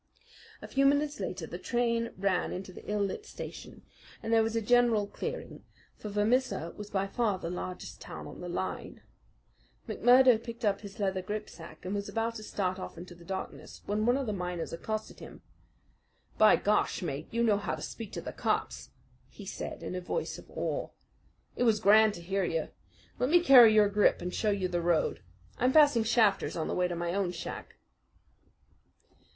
A few minutes later the train ran into the ill lit station, and there was a general clearing; for Vermissa was by far the largest town on the line. McMurdo picked up his leather gripsack and was about to start off into the darkness, when one of the miners accosted him. "By Gar, mate! you know how to speak to the cops," he said in a voice of awe. "It was grand to hear you. Let me carry your grip and show you the road. I'm passing Shafter's on the way to my own shack."